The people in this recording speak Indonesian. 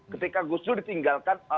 ketika gusdur ditinggalkan